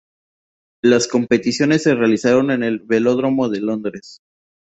Las competiciones se realizaron en el Velódromo de Londres.